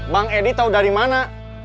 bang edi tahu dari mana